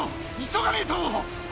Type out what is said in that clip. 急がねえと。